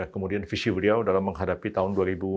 kemudian visi beliau dalam menghadapi tahun dua ribu dua puluh